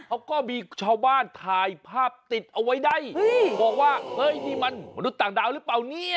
เขาก็มีชาวบ้านถ่ายภาพติดเอาไว้ได้บอกว่าเฮ้ยนี่มันมนุษย์ต่างดาวหรือเปล่าเนี่ย